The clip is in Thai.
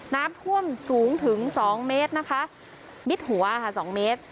น้ำท่วมสูงถึงสองเมตรนะคะมิดหัวค่ะสองเมตร